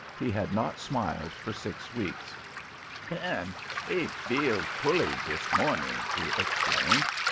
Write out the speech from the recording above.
He had not smiled for six weeks. "Ven he veels pully dis morning," he explained.